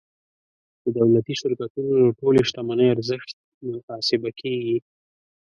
د دولتي شرکتونو د ټولې شتمنۍ ارزښت محاسبه کیږي.